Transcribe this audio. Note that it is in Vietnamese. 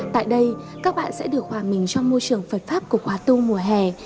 tại đây các bạn sẽ được hòa mình trong môi trường phật pháp của khóa tu mùa hè